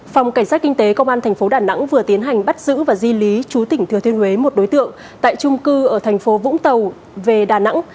phòng cảnh sát kinh tế công an tp đà nẵng vừa tiến hành bắt giữ và di lý chú tỉnh thừa thiên huế một đối tượng tại chung cư ở tp vũng tàu về đà nẵng